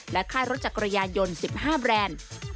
และค่ายรถจากรยายน๑๕แบรนด์